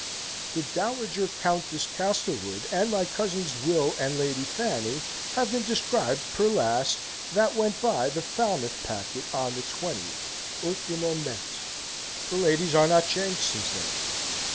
"The (Dowiger) Countess Castlewood and my cousins Will and Lady Fanny have been described per last, that went by the Falmouth packet on the 20th ult. The ladies are not changed since then.